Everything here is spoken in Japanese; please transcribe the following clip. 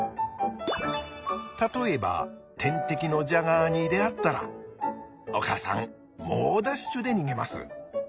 例えば天敵のジャガーに出会ったらお母さん猛ダッシュで逃げます！